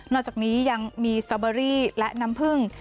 อกจากนี้ยังมีสตอเบอรี่และน้ำผึ้ง